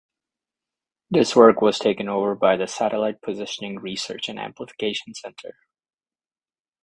The work was taken over by the Satellite Positioning Research and Application Center.